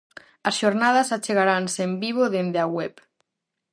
As xornadas achegaranse en vivo dende a web.